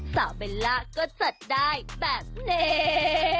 เบลล่าก็จัดได้แบบนี้